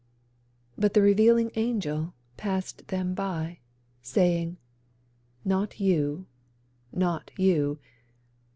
But the Revealing Angels passed them by, Saying: 'Not you, not you.